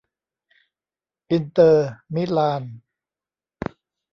อินเตอร์ มิลาน